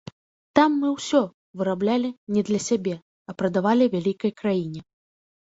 Там мы ўсё выраблялі не для сябе, а прадавалі вялікай краіне.